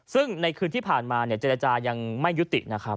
ซึ่งในคืนที่ผ่านมาเจรจายังไม่ยุตินะครับ